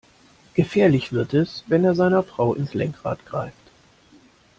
Gefährlich wird es, wenn er seiner Frau ins Lenkrad greift.